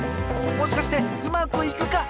もしかしてうまくいくか！？